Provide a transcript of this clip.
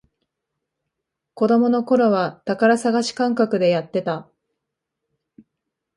子供のころは宝探し感覚でやってた